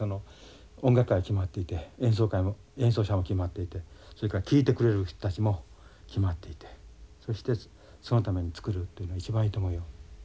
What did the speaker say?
音楽会が決まっていて演奏者も決まっていてそれから聴いてくれる人たちも決まっていてそしてそのために作るってのは一番いいと思うよ。